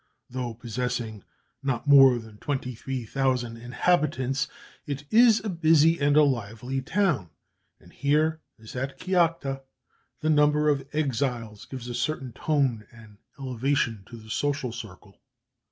Though possessing not more than 23,000 inhabitants, it is a busy and a lively town; and here, as at Kiakhta, the number of exiles gives a certain tone and elevation to the social circle.